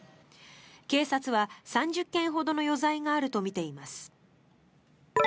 警察は３０件ほどの余罪があるとみています。